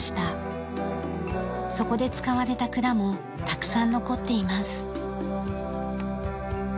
そこで使われた蔵もたくさん残っています。